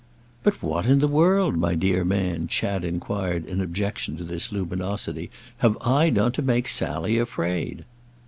"But what in the world, my dear man," Chad enquired in objection to this luminosity, "have I done to make Sally afraid?"